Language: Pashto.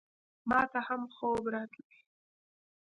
ماته هم خوب راتلی !